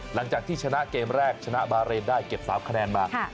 หลังจากที่ชนะเกมแรกชนะบาเรนได้เก็บ๓คะแนนมา